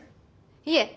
いえ